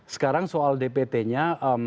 sekarang soal dpt nya